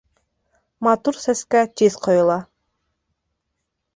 Матур сәскә тиҙ ҡойола.